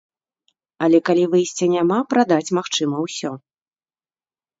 Але калі выйсця няма, прадаць магчыма ўсё.